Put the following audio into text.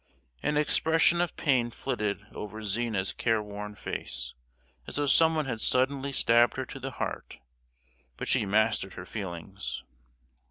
An expression of pain flitted over Zina's careworn face, as though someone had suddenly stabbed her to the heart; but she mastered her feelings.